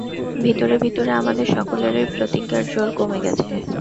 ভিতরে ভিতরে আমাদের সকলেরই প্রতিজ্ঞার জোর কমে গেছে।